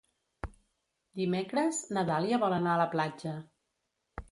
Dimecres na Dàlia vol anar a la platja.